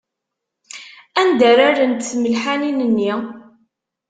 Anda ara rrent tmelḥanin-nni?